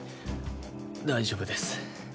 大丈夫です。